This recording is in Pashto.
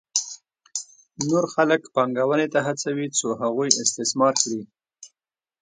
نور خلک پانګونې ته هڅوي څو هغوی استثمار کړي